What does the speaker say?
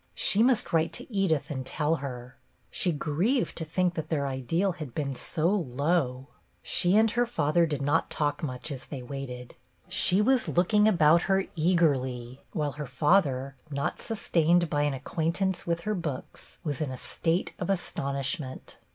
She must write to Edith and tell her; she grieved to think that their ideal had been so low. She and her father did not talk much as they waited ; she was looking about her eagerly, while her father, not sustained by an acquaintance with her books, was in a state of astonishment.